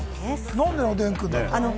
なんで、おでんくんなんだろう？